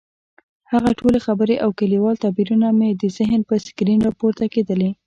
هغه ټولې خبرې او کلیوال تعبیرونه مې د ذهن پر سکرین راپورته کېدلې.